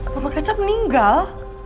botol kecap meninggal